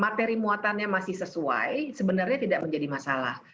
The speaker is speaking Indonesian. materi muatannya masih sesuai sebenarnya tidak menjadi masalah